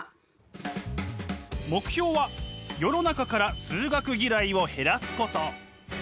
目標は世の中から数学嫌いを減らすこと。